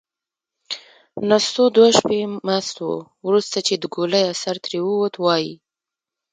نستوه دوه شپې مست و. وروسته چې د ګولۍ اثر ترې ووت، وايي: